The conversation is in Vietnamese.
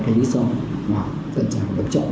cái lý do tân trào được chọn